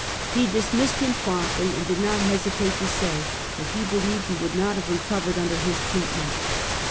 He dismissed him promptly, and did not hesitate to say that he believed he would not have recovered under his treatment.